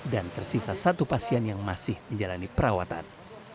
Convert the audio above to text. dan tersisa satu pasien yang masih menjalani perawatan